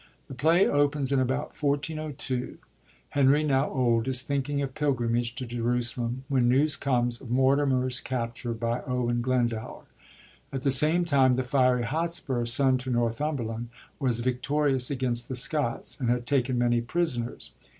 The play opens in about 1402. Henry, now old, is thinking of pilgrimage to Jerusalem, when news comes of Mortimer's capture by Owen Glendower. At the same time the fiery Hotspur, son to Northumberland, was victorious against the Scots, and had taken many prisoners.